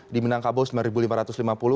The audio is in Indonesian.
di minangkabau sembilan lima ratus lima puluh